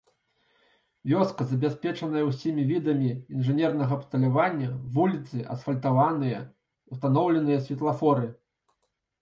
Вёска забяспечаная ўсімі відамі інжынернага абсталявання, вуліцы асфальтаваныя, устаноўленыя святлафоры.